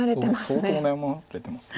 相当悩まれてます。